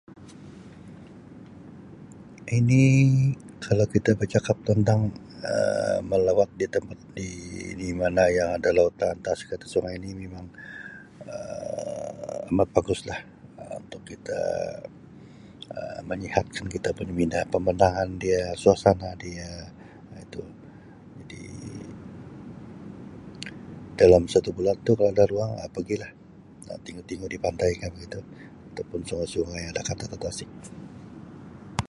Ini kalau kita becakap tentang Um melawat di tempat di-di mana yang ada lautan, tasik atau sungai ni memang Um amat baguslah Um untuk kita Um menyihatkan kita punya minda, pemandangan dia, suasana dia Um tu, jadi dalam satu bulan tu kalau ada ruang Um bagilah Um tingu-tingu di pantai ka begitu atau pun sungai-sungai dakat sama tasik.